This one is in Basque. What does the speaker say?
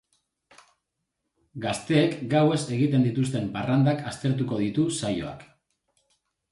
Gazteek gauez egiten dituzten parrandak aztertuko ditu saioak.